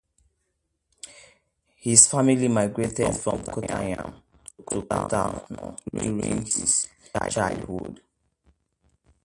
His family migrated from Kottayam to Kannur during his childhood.